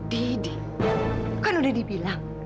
didi kan udah dibilang